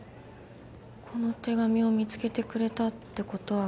「この手紙を見つけてくれたってことは」